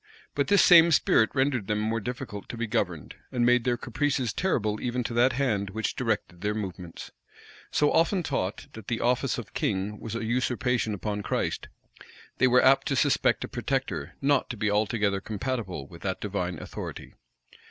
But this same spirit rendered them more difficult to be governed, and made their caprices terrible even to that hand which directed their movements. So often taught, that the office of king was a usurpation upon Christ, they were apt to suspect a protector not to be altogether compatible with that divine authority.